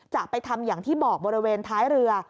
จะไปทำอย่างที่บอกบริเวณท้ายเรือ